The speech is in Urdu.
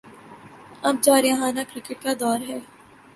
اب جارحانہ کرکٹ کا دور ہے۔